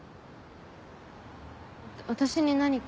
私に何か？